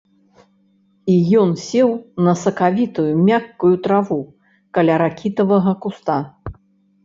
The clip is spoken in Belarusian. І ён сеў на сакавітую, мяккую траву каля ракітавага куста.